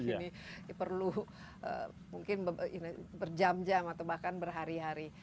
ini perlu mungkin berjam jam atau bahkan berhari hari